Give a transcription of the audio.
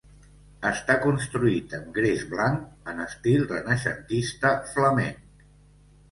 Està construït amb gres blanc, en estil renaixentista flamenc.